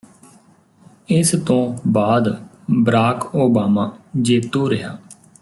ਇਸ ਤੋਂ ਬਾਅਦ ਬਰਾਕ ਓਬਾਮਾ ਜੇਤੂ ਰਿਹਾ